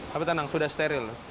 tapi tenang sudah steril